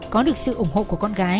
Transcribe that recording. có được sự ủng hộ của con gái